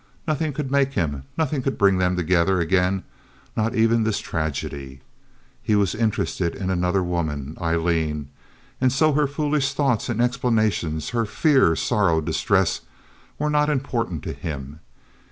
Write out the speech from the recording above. Nothing could make him, nothing could bring them together again, not even this tragedy. He was interested in another woman—Aileen—and so her foolish thoughts and explanations, her fear, sorrow, distress, were not important to him.